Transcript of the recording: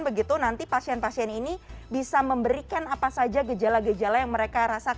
begitu nanti pasien pasien ini bisa memberikan apa saja gejala gejala yang mereka rasakan